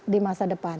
di masa depan